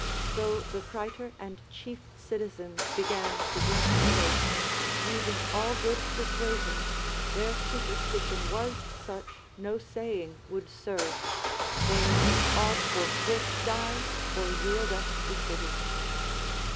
Though the praetor and chief citizens began to drink first, using all good persuasions, their superstition was such, no saying would serve, they must all forthwith die or yield up the city.